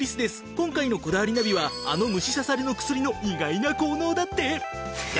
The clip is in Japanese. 今回の『こだわりナビ』はあの虫さされの薬の意外な効能だって！